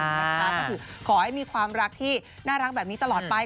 ก็คือขอให้มีความรักที่น่ารักแบบนี้ตลอดไป